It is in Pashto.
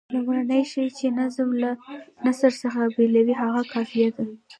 لومړنی شی چې نظم له نثر څخه بېلوي هغه قافیه ده.